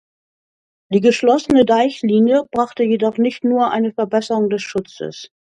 Die geschlossene Deichlinie brachte jedoch nicht nur eine Verbesserung des Schutzes.